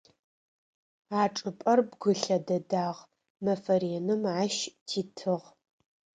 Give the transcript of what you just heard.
А чӏыпӏэр бгылъэ дэдагъ, мэфэ реным ащ титыгъ.